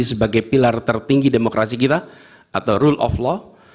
sebagai pilar tertinggi demokrasi kita atau rule of law